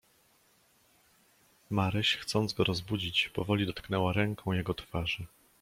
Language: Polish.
"Maryś chcąc go rozbudzić, powoli dotknęła ręką jego twarzy."